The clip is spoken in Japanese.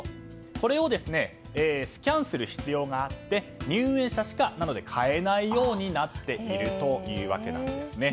これをスキャンする必要があって入園者しか買えないようになっているという訳なんです。